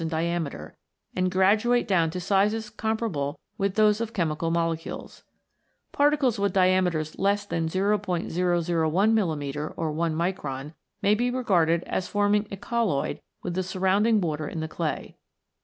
in diameter, and graduate down to sizes comparable with those of chemical molecules. Particles with diameters less than 0*001 mm. (1 micron) may be regarded as form ing a colloid with the surrounding water in the clay.